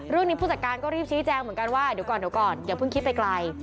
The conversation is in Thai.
เรื่องนี้ผู้จัดการก็รีบชี้แจ้งเหมือนกันว่าเดี๋ยวก่อนเดี๋ยวพึ่งคิดไปไกล